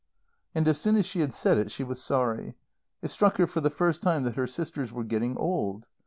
And as soon as she had said it she was sorry. It struck her for the first time that her sisters were getting old.